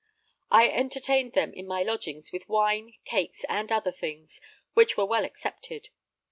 I entertained them in my lodgings with wine, cakes and other things, which were well accepted.